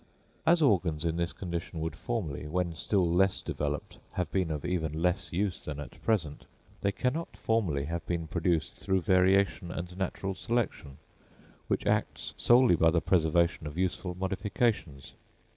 As organs in this condition would formerly, when still less developed, have been of even less use than at present, they cannot formerly have been produced through variation and natural selection, which acts solely by the preservation of useful modifications.